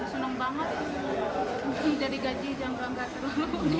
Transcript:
senang banget jadi gaji jangan bangga terlalu